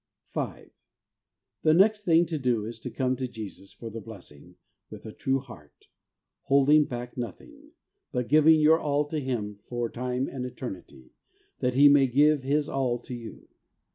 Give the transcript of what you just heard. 5. The next thing to do is to come to 22 THE WAY OF HOLINESS Jesus for the blessing with a true heart, holding back nothing, but giving your all to Him for time and eternity, that He may give His all to you.